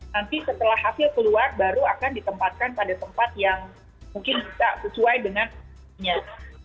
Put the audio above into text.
nanti setelah hasil keluar baru akan ditempatkan pada tempat yang mungkin bisa sesuai dengannya